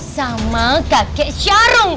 sama kakek sarung